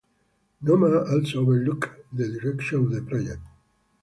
Noma also overlooked the direction of the project.